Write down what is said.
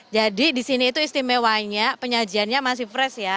jadi disini itu istimewanya penyajiannya masih fresh ya